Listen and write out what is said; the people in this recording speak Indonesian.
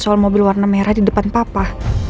soal mobil warna merah di depan papa